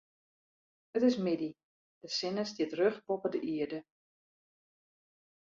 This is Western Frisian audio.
It is middei, de sinne stiet rjocht boppe de ierde.